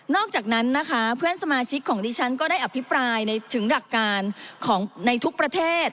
อกจากนั้นนะคะเพื่อนสมาชิกของดิฉันก็ได้อภิปรายในถึงหลักการของในทุกประเทศ